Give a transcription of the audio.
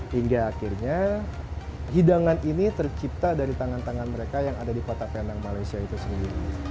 hingga akhirnya hidangan ini tercipta dari tangan tangan mereka yang ada di kota penang malaysia itu sendiri